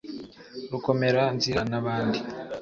rukomera-nzira n'abandi